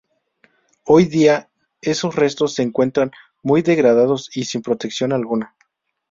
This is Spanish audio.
Hoy día, esos restos se encuentran muy degradados y sin protección alguna.